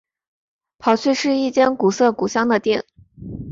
跑去吃一间古色古香的店